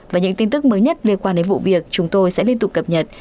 và những tin tức mới nhất liên quan đến vụ việc chúng tôi sẽ liên tục cập nhật